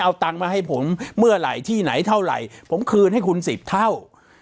เอาตังค์มาให้ผมเมื่อไหร่ที่ไหนเท่าไหร่ผมคืนให้คุณ๑๐เท่า